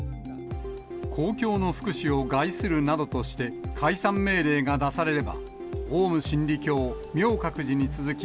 公共の福祉を害するなどとして解散命令が出されれば、オウム真理教、明覚寺に続き